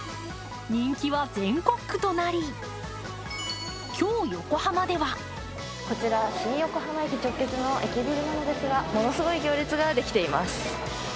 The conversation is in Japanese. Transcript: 人気は全国区となり、今日、横浜ではこちら新横浜駅直結の駅ビルなのですが、ものすごい行列ができています。